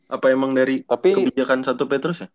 apa emang dari kebijakan satu petrus ya